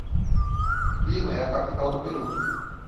Lima é a capital do Peru.